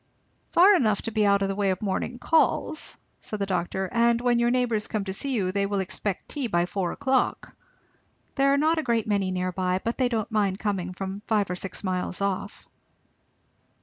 "Far enough to be out of the way of morning calls," said the doctor; "and when your neighbours come to see you they will expect tea by four o'clock. There are not a great many near by, but they don't mind coming from five or six miles off."